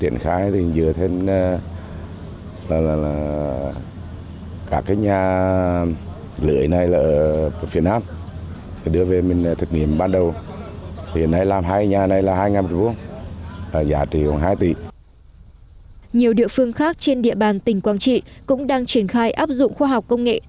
nhiều địa phương khác trên địa bàn tỉnh quang trị cũng đang triển khai áp dụng khoa học công nghệ